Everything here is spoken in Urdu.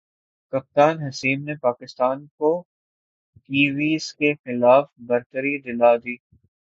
کپتان حسیم نے پاکستان کو کیویز کے خلاف برتری دلا دی